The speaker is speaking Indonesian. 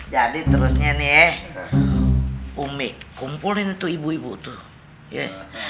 jadi terusnya nih umi kumpulin tuh ibu ibu tuh